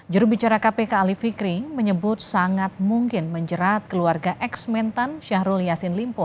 jurubicara kpk ali fikri menyebut sangat mungkin menjerat keluarga eks mentan syahrul yassin limpo